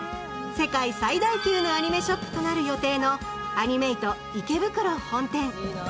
世界最大級のアニメショップとなる予定のアニメイト池袋本店。